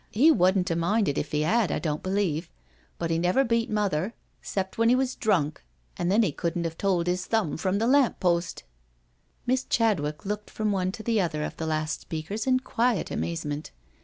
''He wudn't *a minded if 'e had, I don't believe— but 'e never beat mother, 'cept when 'e was drunk, an' then 'e couldn't have told 'is thumb from the lamp post." Miss Chadwick looked from one to the other of the last speakers in quiet amazement.